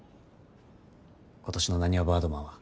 今年のなにわバードマンは。